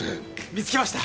見つけました！